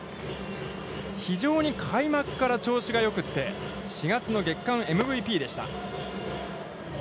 非常に開幕から調子がよくて４月の月間ＭＶＰでした。